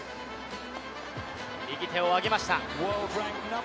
右手を挙げました。